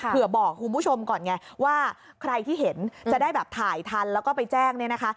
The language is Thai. บอกคุณผู้ชมก่อนไงว่าใครที่เห็นจะได้แบบถ่ายทันแล้วก็ไปแจ้งเนี่ยนะคะ